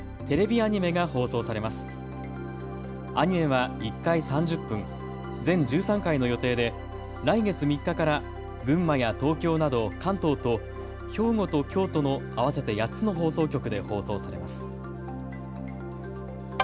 アニメは１回３０分・全１３回の予定で来月３日から群馬や東京など関東と兵庫と京都の合わせて８つの放送局で放送されます。